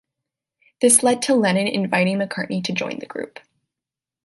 This led to Lennon inviting McCartney to join the group.